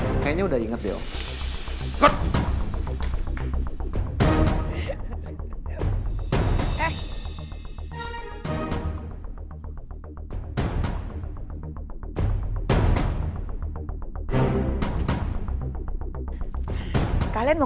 udah mulai inget sekarang